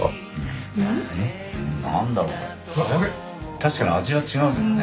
確かに味は違うよね。